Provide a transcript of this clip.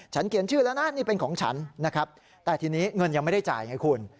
เขียนชื่อแล้วนะนี่เป็นของฉันนะครับแต่ทีนี้เงินยังไม่ได้จ่ายไงคุณ